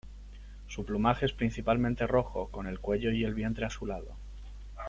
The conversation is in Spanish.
Su plumaje es principalmente rojo, con el cuello y el vientre azulado.